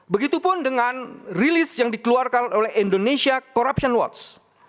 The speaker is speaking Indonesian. begitupun dengan rilis yang dikeluarkan oleh indonesia corruption watch